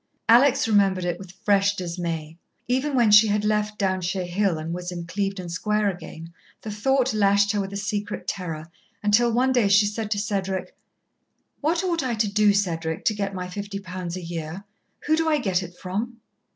Alex remembered it with fresh dismay. Even when she had left Downshire Hill and was in Clevedon Square again, the thought lashed her with a secret terror, until one day she said to Cedric: "What ought I to do, Cedric, to get my fifty pounds a year? Who do I get it from?"